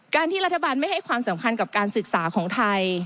ที่รัฐบาลไม่ให้ความสำคัญกับการศึกษาของไทย